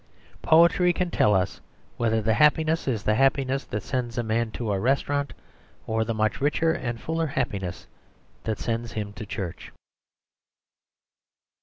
Poetry can tell us whether the happiness is the happiness that sends a man to a restaurant, or the much richer and fuller happiness that sends him to church.